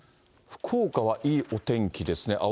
福岡はいいお天気ですね。